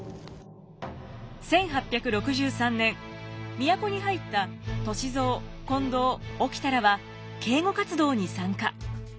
１８６３年都に入った歳三近藤沖田らは警護活動に参加。